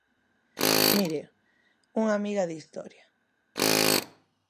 Mire, unha miga de historia.